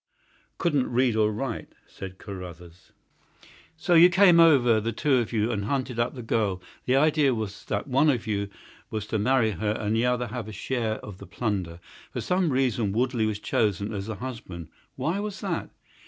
"Couldn't read or write," said Carruthers. "So you came over, the two of you, and hunted up the girl. The idea was that one of you was to marry her and the other have a share of the plunder. For some reason Woodley was chosen as the husband. Why was that?"